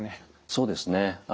そうですね。